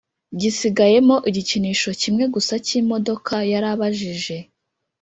gisigayemo igikinisho kimwe gusa cy imodoka Yarababajije